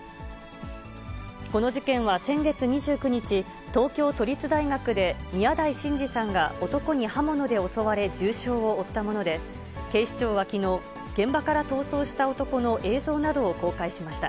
この事件は先月２９日、東京都立大学で、宮台真司さんが男に刃物で襲われ重傷を負ったもので、警視庁はきのう、現場から逃走した男の映像などを公開しました。